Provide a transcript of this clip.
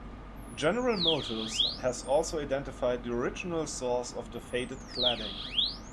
General Motors has also identified the original source of the faded cladding.